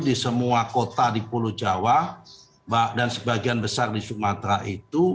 di semua kota di pulau jawa dan sebagian besar di sumatera itu